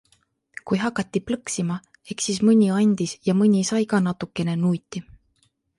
Kui hakati plõksima, eks siis mõni andis ja mõni sai ka natukene nuuti.